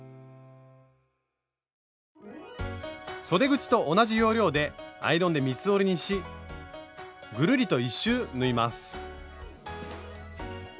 そで口と同じ要領でアイロンで三つ折りにしぐるりと１周縫います。